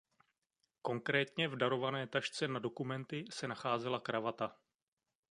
Konkrétně v darované tašce na dokumenty se nacházela kravata.